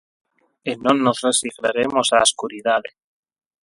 E non nos resignaremos á escuridade.